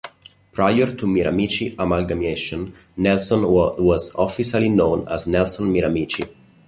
Prior to Miramichi amalgamation, Nelson was officially known as Nelson-Miramichi.